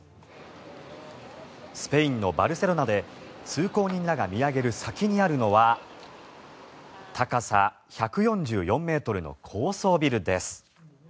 スペインのバルセロナで通行人らが見上げる先にあるのは高さ１４４ｍの高層ビルです。